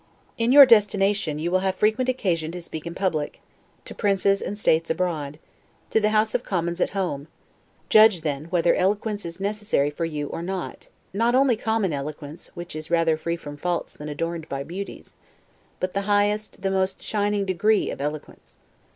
In your destination, you will have frequent occasions to speak in public; to princes and states abroad; to the House of Commons at home; judge, then, whether eloquence is necessary for you or not; not only common eloquence, which is rather free from faults than adorned by beauties; but the highest, the most shining degree of eloquence.